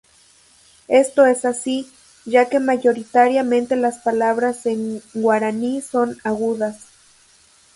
Esto es así ya que mayoritariamente las palabras en guaraní son agudas.